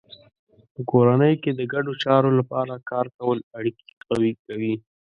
په کورنۍ کې د ګډو چارو لپاره کار کول اړیکې قوي کوي.